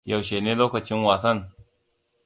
Yaushe ne lokacin wasan?